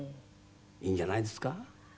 いいんじゃないですか？